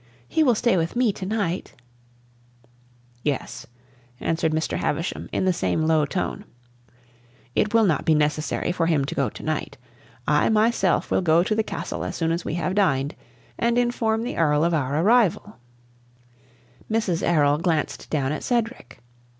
"He will stay with me to night?" "Yes," answered Mr. Havisham in the same low tone; "it will not be necessary for him to go to night. I myself will go to the Castle as soon as we have dined, and inform the Earl of our arrival." Mrs. Errol glanced down at Cedric.